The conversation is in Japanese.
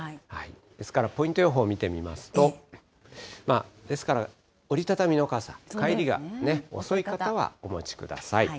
ですからポイント予報見てみますと、ですから、折り畳みの傘、帰りが遅い方はお持ちください。